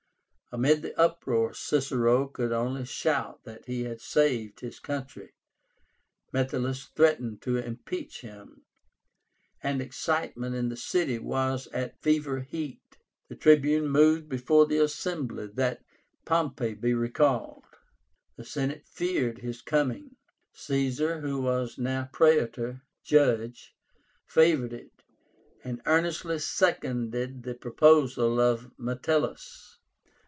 Amid the uproar Cicero could only shout that he had saved his country. Metellus threatened to impeach him, and excitement in the city was at fever heat. The Tribune moved before the Assembly that Pompey be recalled. The Senate feared his coming. Caesar, who was now Praetor (judge), favored it, and earnestly seconded the proposal of Metellus.